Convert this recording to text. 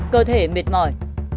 cơ thể mệt mỏi